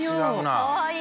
かわいい。